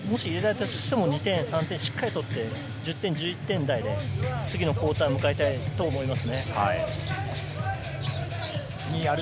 もし３本入れられても、２点、３点しっかり取って１０点、１１点台で次の交代を迎えたいと思います。